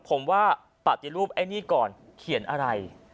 ผมว่าปฏิรูปไอ้นี่ก่อนเขียนอะไร